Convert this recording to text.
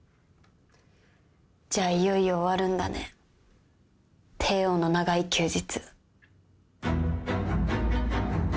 じゃあいよいよ終わるんだねテイオーの長い休日。